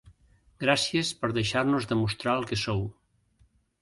Gràcies per deixar-nos demostrar el que sou.